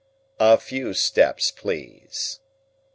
"A few steps, please."